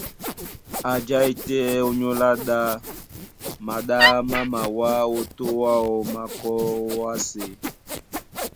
A jái tɛ́ ónyólá ɗá, maɗá má mawá ó tô áō, má kɔ́ ówásē.